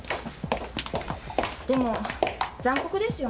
でも残酷ですよね。